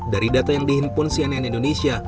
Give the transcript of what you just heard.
dari data yang dihimpun cnn indonesia